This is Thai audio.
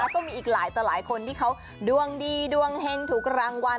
แล้วก็มีอีกหลายต่อหลายคนที่เขาดวงดีดวงเฮงถูกรางวัล